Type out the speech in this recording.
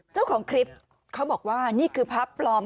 เจ้าของคลิปเขาบอกว่านี่คือภาพปลอม